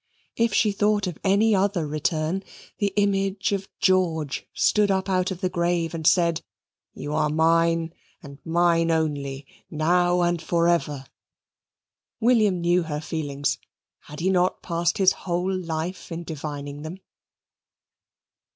If she thought of any other return, the image of George stood up out of the grave and said, "You are mine, and mine only, now and forever." William knew her feelings: had he not passed his whole life in divining them?